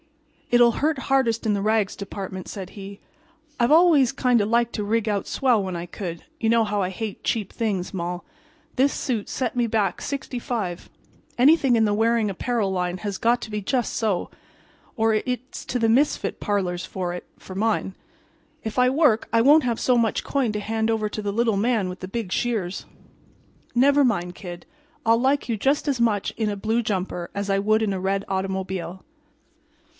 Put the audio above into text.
"It'll hurt hardest in the rags department," said he. "I've kind of always liked to rig out swell when I could. You know how I hate cheap things, Moll. This suit set me back sixty five. Anything in the wearing apparel line has got to be just so, or it's to the misfit parlors for it, for mine. If I work I won't have so much coin to hand over to the little man with the big shears." "Never mind, Kid. I'll like you just as much in a blue jumper as I would in a red automobile."